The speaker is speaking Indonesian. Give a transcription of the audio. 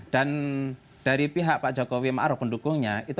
dan dari pihak pak jokowi ma'ruf pendukungnya